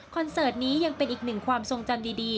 เสิร์ตนี้ยังเป็นอีกหนึ่งความทรงจำดี